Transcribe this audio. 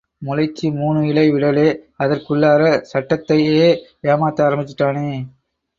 முளைச்சு மூணு இலை விடலே, அதற்குள்ளாற சட்டத்தையே ஏமாத்த ஆரம்பிச்சுட்டானே!...